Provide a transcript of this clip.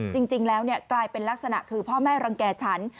จริงแล้วกลายเป็นลักษณะคือพ่อแม่รังแก่ฉัน